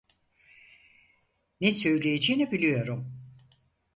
Ne söyleyeceğini biliyorum…